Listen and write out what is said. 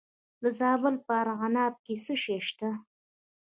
د زابل په ارغنداب کې څه شی شته؟